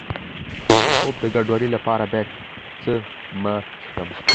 د خوب د ګډوډۍ لپاره باید څه مه څښم؟